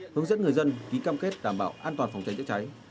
hướng dẫn người dân ký cam kết đảm bảo an toàn phòng cháy chữa cháy